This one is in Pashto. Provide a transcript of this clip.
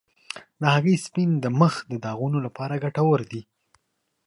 د هګۍ سپین د مخ د داغونو لپاره ګټور دی.